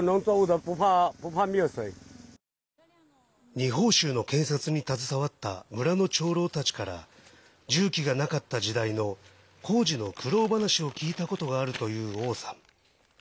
二峰しゅうの建設に携わった村の長老たちから重機がなかった時代の工事の苦労話を聞いたことがあるという王さん。